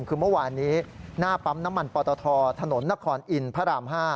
คือเมื่อวานนี้หน้าปั๊มน้ำมันปตทถนนนครอินทร์พระราม๕